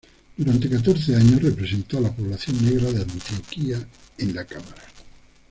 Durante catorce años representó a la población negra de Antioquia en la Cámara.